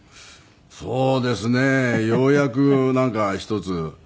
そうですねようやくなんか１つ。